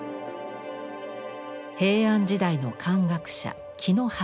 平安時代の漢学者紀長谷雄。